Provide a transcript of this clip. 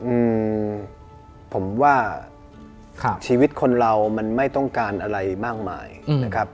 อืมผมว่าครับชีวิตคนเรามันไม่ต้องการอะไรมากมายอืมนะครับ